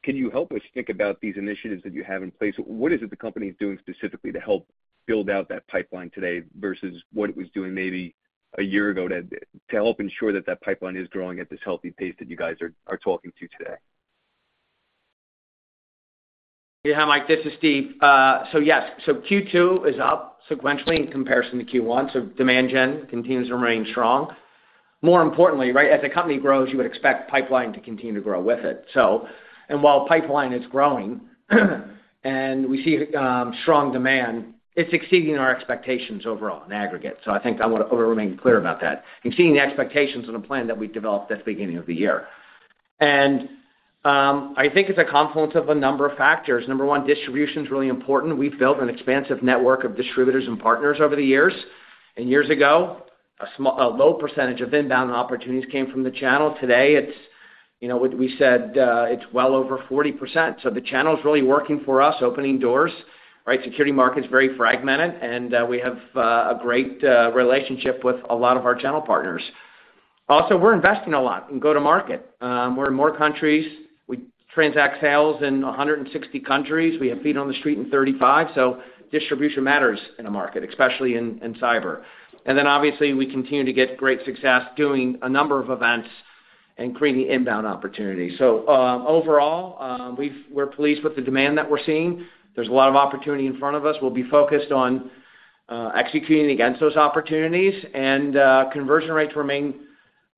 can you help us think about these initiatives that you have in place? What is it the company is doing specifically to help build out that pipeline today versus what it was doing maybe a year ago, to help ensure that that pipeline is growing at this healthy pace that you guys are talking to today? Yeah, Mike, this is Steve. Yes, so Q2 is up sequentially in comparison to Q1, so demand gen continues to remain strong. More importantly, right, as the company grows, you would expect pipeline to continue to grow with it. While pipeline is growing, and we see strong demand, it's exceeding our expectations overall in aggregate. I think I want to remain clear about that. Exceeding the expectations on a plan that we developed at the beginning of the year. I think it's a confluence of a number of factors. Number one, distribution's really important. We've built an expansive network of distributors and partners over the years. Years ago, a low percentage of inbound opportunities came from the channel. Today, it's, you know, we said it's well over 40%. The channel is really working for us, opening doors, right? Security market is very fragmented, and we have a great relationship with a lot of our channel partners. Also, we're investing a lot in go-to-market. We're in more countries. We transact sales in 160 countries. We have feet on the street in 35, so distribution matters in a market, especially in cyber. Obviously, we continue to get great success doing a number of events and creating inbound opportunities. Overall, we're pleased with the demand that we're seeing. There's a lot of opportunity in front of us. We'll be focused on executing against those opportunities and conversion rates remain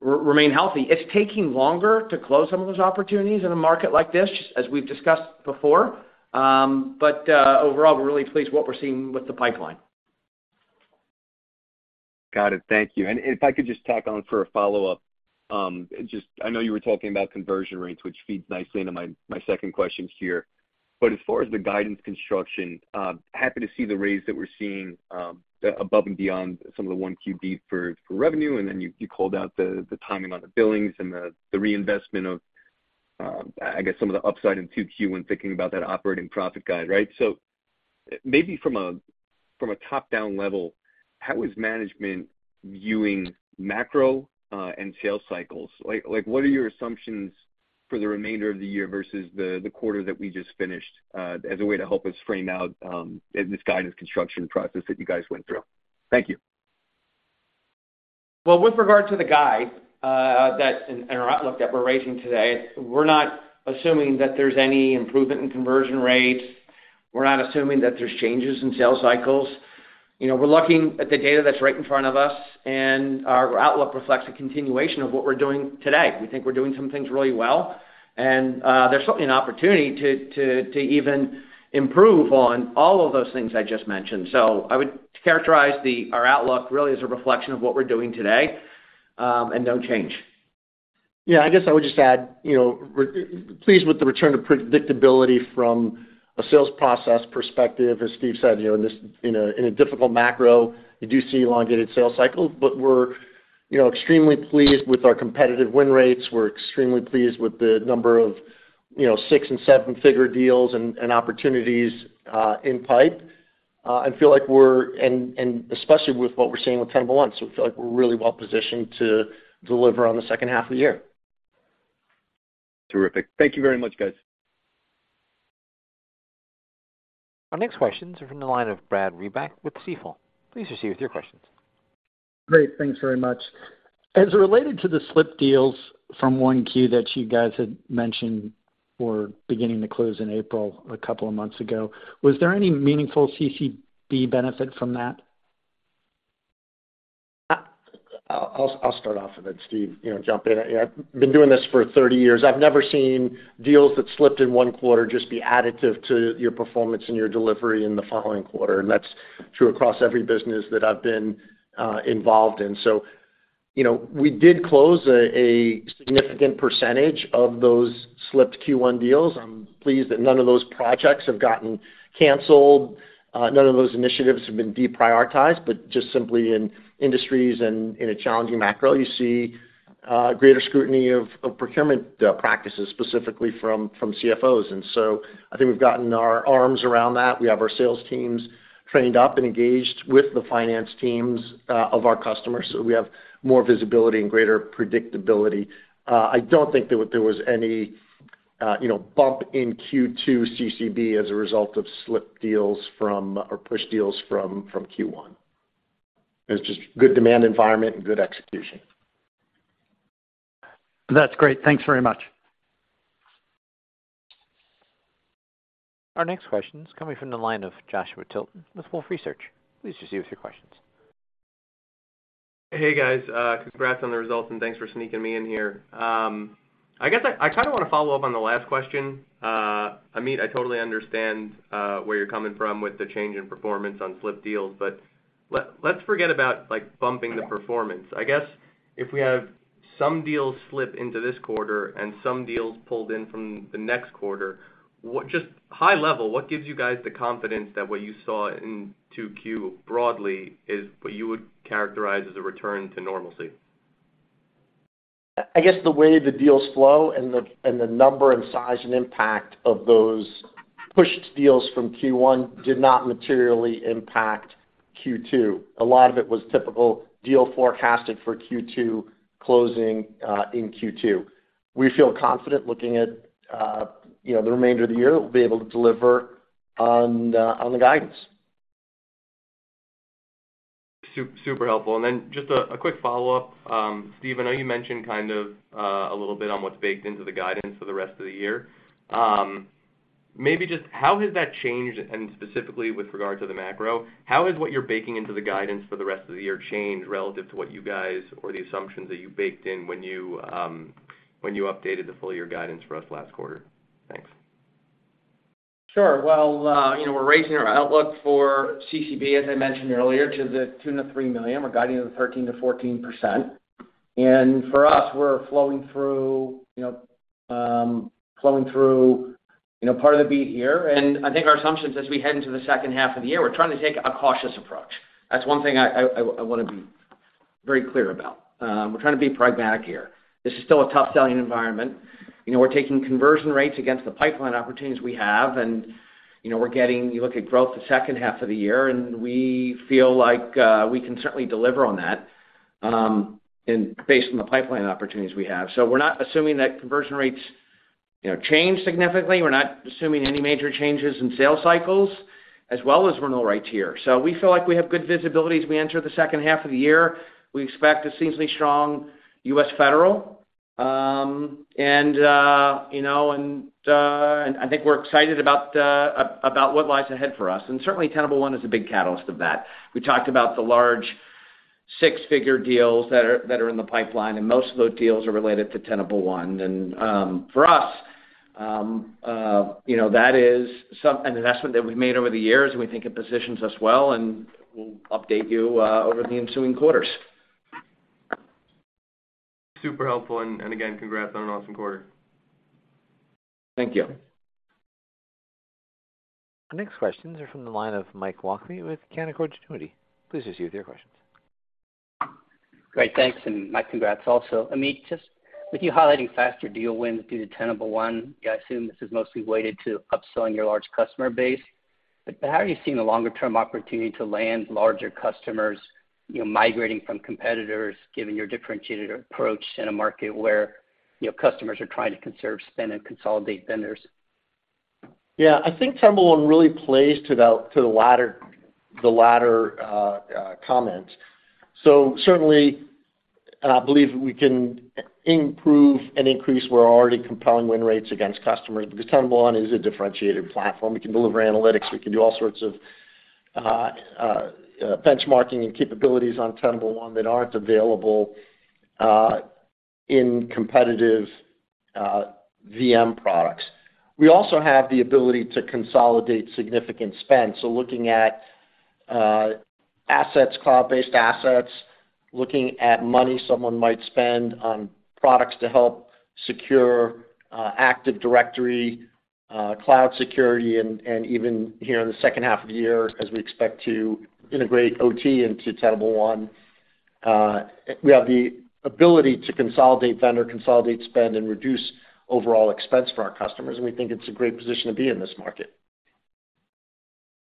healthy. It's taking longer to close some of those opportunities in a market like this, just as we've discussed before. Overall, we're really pleased with what we're seeing with the pipeline. Got it. Thank you. If I could just tack on for a follow-up, just I know you were talking about conversion rates, which feeds nicely into my second question here. As far as the guidance construction, happy to see the raise that we're seeing, above and beyond some of the 1Q beat for revenue, and then you called out the timing on the billings and the reinvestment of, I guess, some of the upside in 2Q, when thinking about that operating profit guide, right? Maybe from a top-down level, how is management viewing macro, and sales cycles? Like, what are your assumptions for the remainder of the year versus the quarter that we just finished, as a way to help us frame out, this guidance construction process that you guys went through? Thank you. Well, with regard to the guide, that, and our outlook that we're raising today, we're not assuming that there's any improvement in conversion rates. We're not assuming that there's changes in sales cycles. You know, we're looking at the data that's right in front of us, and our outlook reflects a continuation of what we're doing today. We think we're doing some things really well, and, there's certainly an opportunity to even improve on all of those things I just mentioned. I would characterize our outlook really as a reflection of what we're doing today, and no change. I guess I would just add, you know, pleased with the return of predictability from a sales process perspective. As Steve said, you know, in this, in a, in a difficult macro, you do see elongated sales cycles, but we're, you know, extremely pleased with our competitive win rates. We're extremely pleased with the number of, you know, six and seven-figure deals and opportunities in pipe. I feel like we're and especially with what we're seeing with Tenable One, so I feel like we're really well positioned to deliver on the second half of the year. Terrific. Thank you very much, guys. Our next questions are from the line of Brad Reback with Stifel. Please proceed with your questions. Great. Thanks very much. As related to the slipped deals from 1Q that you guys had mentioned were beginning to close in April, a couple of months ago, was there any meaningful CCB benefit from that? I'll start off with it, Steve, you know, jump in. I've been doing this for 30 years. I've never seen deals that slipped in 1 quarter just be additive to your performance and your delivery in the following quarter, and that's true across every business that I've been involved in. You know, we did close a significant percentage of those slipped Q1 deals. I'm pleased that none of those projects have gotten canceled, none of those initiatives have been deprioritized, but just simply in industries and in a challenging macro, you see greater scrutiny of procurement practices, specifically from CFOs. I think we've gotten our arms around that. We have our sales teams trained up and engaged with the finance teams of our customers, so we have more visibility and greater predictability. I don't think there was any, you know, bump in Q2 CCB as a result of slipped deals from, or pushed deals from Q1. It's just good demand environment and good execution. That's great. Thanks very much. Our next question is coming from the line of Joshua Tilton with Wolfe Research. Please proceed with your questions. Hey, guys, congrats on the results, and thanks for sneaking me in here. I guess I kind of want to follow up on the last question. Amit, I totally understand where you're coming from with the change in performance on slipped deals, but let's forget about, like, bumping the performance. I guess if we have some deals slip into this quarter and some deals pulled in from the next quarter, just high level, what gives you guys the confidence that what you saw in two Q, broadly, is what you would characterize as a return to normalcy? I guess the way the deals flow and the, and the number and size and impact of those pushed deals from Q1 did not materially impact Q2. A lot of it was typical deal forecasted for Q2, closing in Q2. We feel confident looking at, you know, the remainder of the year, we'll be able to deliver on the guidance. Super helpful. Just a quick follow-up. Steve, I know you mentioned kind of a little bit on what's baked into the guidance for the rest of the year. Maybe just how has that changed, and specifically with regard to the macro, how has what you're baking into the guidance for the rest of the year changed relative to what you guys or the assumptions that you baked in when you updated the full year guidance for us last quarter? Thanks. Sure. Well, you know, we're raising our outlook for CCB, as I mentioned earlier, to the $2 million-$3 million. We're guiding it to 13%-14%. For us, we're flowing through, you know, flowing through, you know, part of the beat year. I think our assumptions as we head into the second half of the year, we're trying to take a cautious approach. That's one thing I want to be very clear about. We're trying to be pragmatic here. This is still a tough selling environment. You know, we're taking conversion rates against the pipeline opportunities we have, and, you know, we're getting you look at growth the second half of the year, and we feel like we can certainly deliver on that, and based on the pipeline opportunities we have. We're not assuming that conversion rates, you know, change significantly. We're not assuming any major changes in sales cycles, as well as renewal rates here. We feel like we have good visibility as we enter the second half of the year. We expect a seasonally strong U.S. federal. And, you know, and I think we're excited about what lies ahead for us, and certainly, Tenable One is a big catalyst of that. We talked about the large six-figure deals that are in the pipeline, and most of those deals are related to Tenable One. For us, you know, that is an investment that we've made over the years, and we think it positions us well, and we'll update you over the ensuing quarters. Super helpful, and again, congrats on an awesome quarter. Thank you. Our next questions are from the line of Mike Walkley with Canaccord Genuity. Please proceed with your questions. Great, thanks, and my congrats also. Amit, just with you highlighting faster deal wins due to Tenable One, I assume this is mostly weighted to upselling your large customer base. How are you seeing the longer-term opportunity to land larger customers, you know, migrating from competitors, given your differentiated approach in a market where, you know, customers are trying to conserve, spend, and consolidate vendors? I think Tenable One really plays to the latter comment. Certainly, I believe we can improve and increase we're already compelling win rates against customers because Tenable One is a differentiated platform. We can deliver analytics. We can do all sorts of benchmarking and capabilities on Tenable One that aren't available in competitive VM products. We also have the ability to consolidate significant spend. Looking at assets, cloud-based assets, looking at money someone might spend on products to help secure Active Directory, cloud security, and even here in the second half of the year, as we expect to integrate OT into Tenable One, we have the ability to consolidate vendor, consolidate spend, and reduce overall expense for our customers. We think it's a great position to be in this market.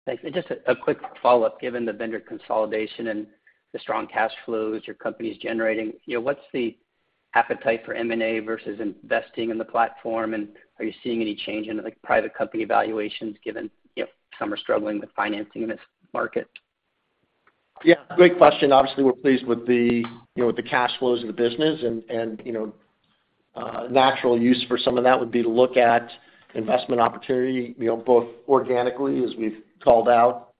Thanks. Just a quick follow-up. Given the vendor consolidation and the strong cash flows your company is generating, you know, what's the appetite for M&A versus investing in the platform? Are you seeing any change in, like, private company valuations, given, you know, some are struggling with financing in this market? Great question. Obviously, we're pleased with the, you know, with the cash flows of the business, and, you know, natural use for some of that would be to look at investment opportunity, you know, both organically, as we've called out,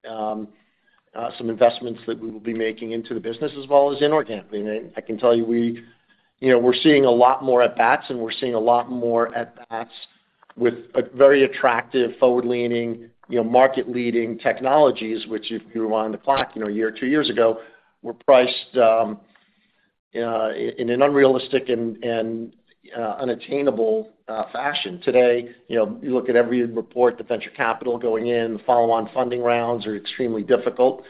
some investments that we will be making into the business as well as inorganically. I can tell you we're seeing a lot more at bats, and we're seeing a lot more at bats with a very attractive, forward-leaning, you know, market-leading technologies, which if you rewind the clock, you know, a year or two years ago, were priced in an unrealistic and, unattainable, fashion. Today, you know, you look at every report, the venture capital going in, follow-on funding rounds are extremely difficult.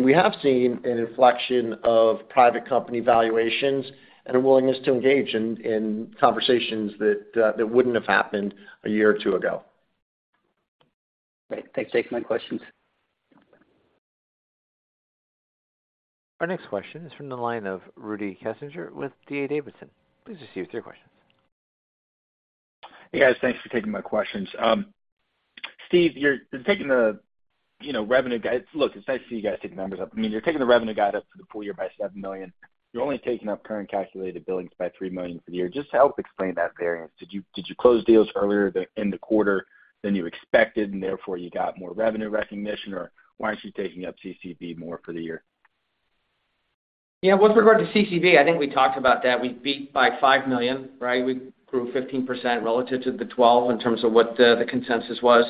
we have seen an inflection of private company valuations and a willingness to engage in conversations that wouldn't have happened a year or two ago. Great. Thanks for taking my questions. Our next question is from the line of Rudy Kessinger with D.A. Davidson. Please proceed with your questions. Hey, guys. Thanks for taking my questions. Steve, you're taking the, you know, revenue guide. Look, it's nice to see you guys taking the numbers up. I mean, you're taking the revenue guide up for the full year by $7 million. You're only taking up current calculated billings by $3 million for the year. Just help explain that variance. Did you close deals earlier in the quarter than you expected, and therefore you got more revenue recognition? Or why aren't you taking up CCB more for the year? Yeah, with regard to CCB, I think we talked about that. We beat by $5 million, right? We grew 15% relative to the 12 in terms of what the consensus was.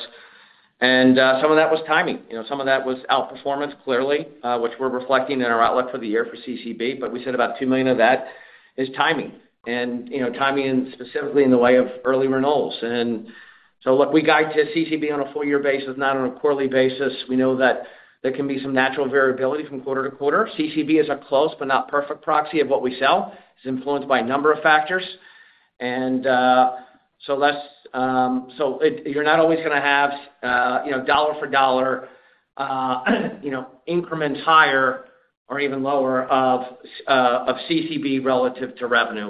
Some of that was timing. You know, some of that was outperformance, clearly, which we're reflecting in our outlook for the year for CCB, but we said about $2 million of that is timing. You know, timing in specifically in the way of early renewals. Look, we guide to CCB on a full year basis, not on a quarterly basis. We know that there can be some natural variability from quarter to quarter. CCB is a close but not perfect proxy of what we sell. It's influenced by a number of factors. So let's, you know, dollar for dollar, you know, increments higher or even lower of CCB relative to revenue.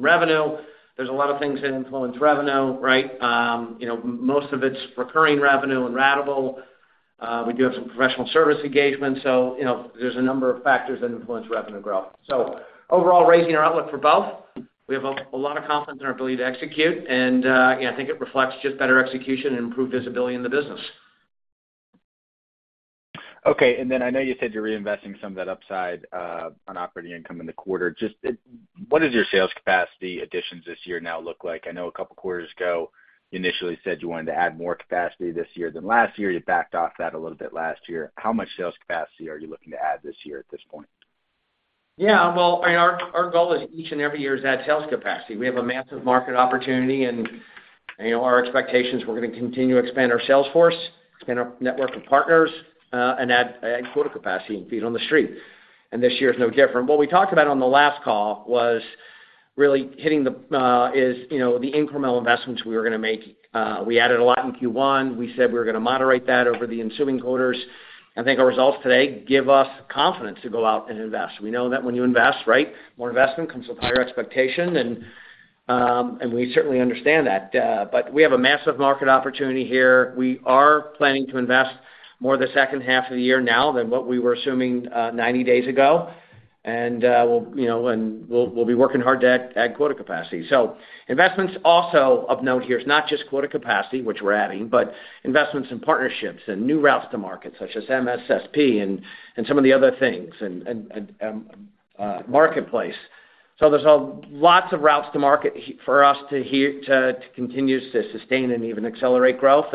Revenue, there's a lot of things that influence revenue, right? You know, most of it's recurring revenue and ratable. We do have some professional service engagements, so, you know, there's a number of factors that influence revenue growth. Overall, raising our outlook for both. We have a lot of confidence in our ability to execute, yeah, I think it reflects just better execution and improved visibility in the business. Okay. I know you said you're reinvesting some of that upside, on operating income in the quarter. What does your sales capacity additions this year now look like? I know a couple of quarters ago, you initially said you wanted to add more capacity this year than last year. You backed off that a little bit last year. How much sales capacity are you looking to add this year at this point? Well, and our goal is each and every year is add sales capacity. We have a massive market opportunity, you know, our expectations, we're gonna continue to expand our sales force, expand our network of partners, and add quota capacity and feet on the street. This year is no different. What we talked about on the last call was really hitting the, you know, the incremental investments we were gonna make. We added a lot in Q1. We said we were gonna moderate that over the ensuing quarters. I think our results today give us confidence to go out and invest. We know that when you invest, right, more investment comes with higher expectation, and we certainly understand that. But we have a massive market opportunity here. We are planning to invest more the second half of the year now than what we were assuming, 90 days ago. We'll, you know, we'll be working hard to add quota capacity. Investments also of note here, it's not just quota capacity, which we're adding, but investments in partnerships and new routes to market, such as MSSP and some of the other things.... marketplace. There's a lots of routes to market for us to continue to sustain and even accelerate growth.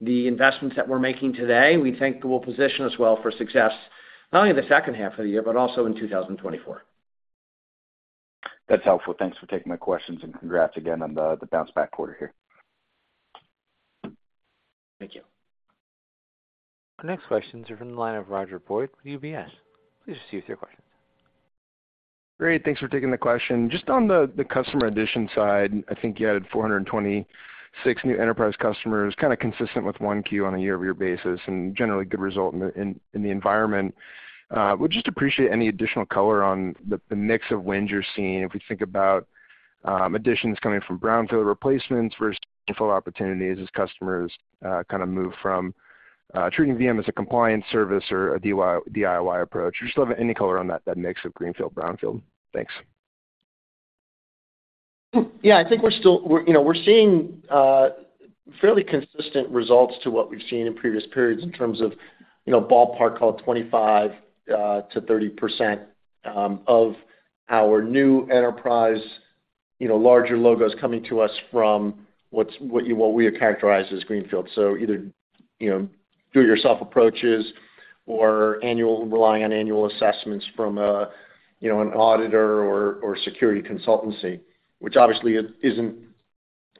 The investments that we're making today, we think will position us well for success, not only in the second half of the year, but also in 2024. That's helpful. Thanks for taking my questions, and congrats again on the bounce back quarter here. Thank you. The next questions are from the line of Roger Boyd with UBS. Please proceed with your question. Great, thanks for taking the question. Just on the customer addition side, I think you added 426 new enterprise customers, kind of consistent with 1Q on a year-over-year basis. Generally good result in the environment. Would just appreciate any additional color on the mix of wins you're seeing. If we think about additions coming from brownfield replacements versus infill opportunities as customers kind of move from treating VM as a compliance service or a DIY approach. We just love any color on that mix of greenfield, brownfield. Thanks. Yeah, I think we're still, we're, you know, we're seeing fairly consistent results to what we've seen in previous periods in terms of, you know, ballpark called 25%-30% of our new enterprise, you know, larger logos coming to us from what we have characterized as greenfield. Either, you know, do-it-yourself approaches or relying on annual assessments from a, you know, an auditor or security consultancy, which obviously isn't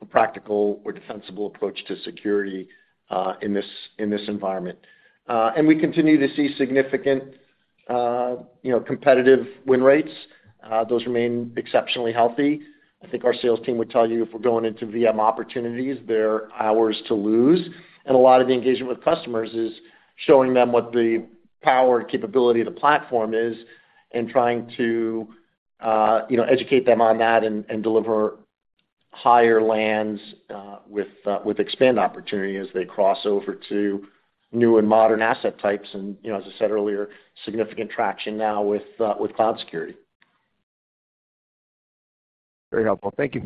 a practical or defensible approach to security in this environment. We continue to see significant, you know, competitive win rates. Those remain exceptionally healthy. I think our sales team would tell you, if we're going into VM opportunities, they're ours to lose. A lot of the engagement with customers is showing them what the power and capability of the platform is, and trying to, you know, educate them on that and deliver higher lands, with expand opportunity as they cross over to new and modern asset types. You know, as I said earlier, significant traction now with cloud security. Very helpful. Thank you.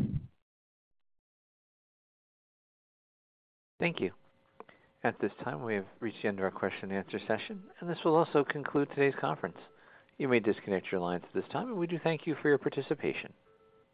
Thank you. At this time, we have reached the end of our question-and-answer session. This will also conclude today's conference. You may disconnect your lines at this time. We do thank you for your participation.